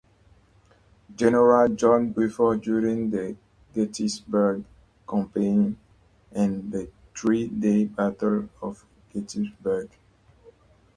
General John Buford during the Gettysburg Campaign and the three-day Battle of Gettysburg.